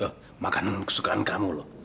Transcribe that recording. oh makanan kesukaan kamu lo